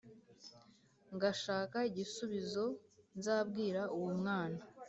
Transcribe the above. Ngashaka igisubizoNzabwira uwo mwana